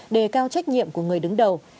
đề cao trách nhiệm của người đứng đầu